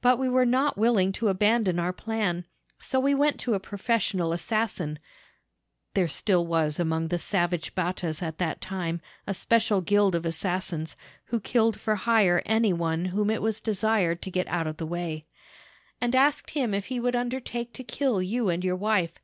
But we were not willing to abandon our plan, so we went to a professional assassin [there still was among the savage Battas at that time a special gild of assassins, who killed for hire any one whom it was desired to get out of the way], and asked him if he would undertake to kill you and your wife.